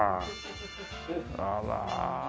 あら。